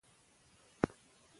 دا زموږ د ټولو غوښتنه ده.